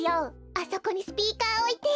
あそこにスピーカーおいて。